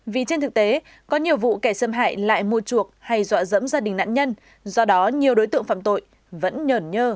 vì trên thực tế có nhiều vụ kẻ xâm hại lại mua chuộc hay dọa dẫm gia đình nạn nhân do đó nhiều đối tượng phạm tội vẫn nhổn nhơ